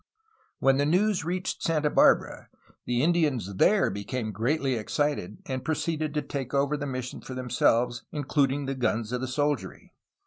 When the news reached Santa Barbara, the Indians there became greatly excited, and proceeded to take over the mis sion for themselves, including the guns of the soldiery.